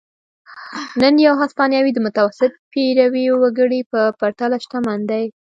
نن یو هسپانوی د متوسط پیرويي وګړي په پرتله شتمن دی.